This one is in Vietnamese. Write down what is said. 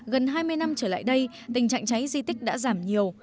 gần hai mươi năm trở lại đây tình trạng cháy di tích đã giảm nhiều